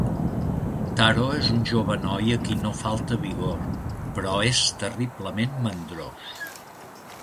Taro és un jove noi a qui no falta vigor, però és terriblement mandrós.